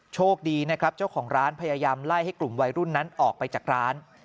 โชคดีนะครับเจ้าของร้านพยายามไล่ให้กลุ่มวัยรุ่นนั้นออกไปจากร้าน